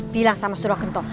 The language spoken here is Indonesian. bilang sama suruh kentok